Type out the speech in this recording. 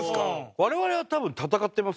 我々は多分戦ってますよ。